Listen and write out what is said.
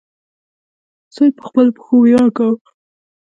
سوی په خپلو پښو ویاړ کاوه.